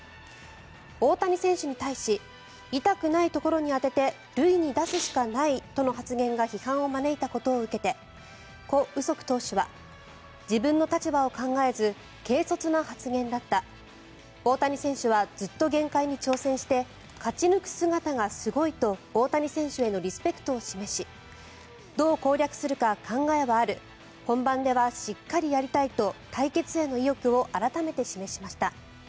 大谷選手に対し痛くないところに当てて塁に出すしかないとの発言が批判を招いたことを受けてコ・ウソク投手は自分の立場を考えず軽率な発言だった大谷選手はずっと限界に挑戦して勝ち抜く姿がすごいと大谷選手へのリスペクトを示しどう攻略するか考えはある本番ではしっかりやりたいと対決への意欲を改めて示しました。